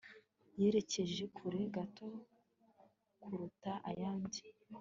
Yerekeje kure gato kuruta ayandi